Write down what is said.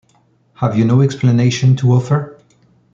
Have you no explanation to offer?